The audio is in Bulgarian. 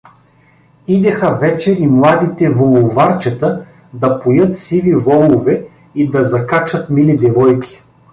Идеха вечер и младите воловарчета да поят сиви волове и да закачат мили девойки.